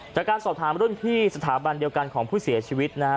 จากการสอบถามรุ่นพี่สถาบันเดียวกันของผู้เสียชีวิตนะฮะ